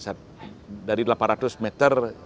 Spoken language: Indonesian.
serta perempuan dari antara patar atau premier